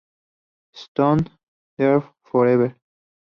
Stone Deaf Forever!